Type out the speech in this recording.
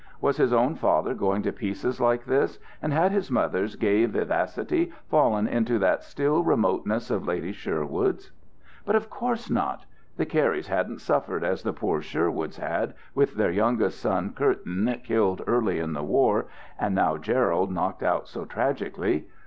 Was his own father going to pieces like this, and had his mother's gay vivacity fallen into that still remoteness of Lady Sherwood's? But of course not! The Carys hadn't suffered as the poor Sherwoods had, with their youngest son, Curtin, killed early in the war, and now Gerald knocked out so tragically.